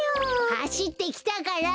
はしってきたから！